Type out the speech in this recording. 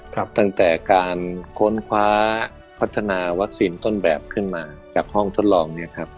ตั้งแต่การค้นคว้าพัฒนาวัคซีนต้นแบบขึ้นมาจากห้องทดลองเนี่ยครับ